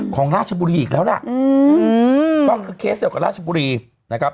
ราชบุรีอีกแล้วล่ะอืมก็คือเคสเดียวกับราชบุรีนะครับ